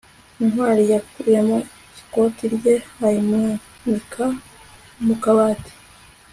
ntwali yakuyemo ikoti rye ayimanika mu kabati